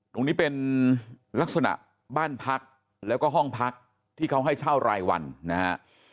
ตรงนี้เป็นลักษณะบ้านพักแล้วก็ห้องพักที่เขาให้เช่ารายวันนะฮะ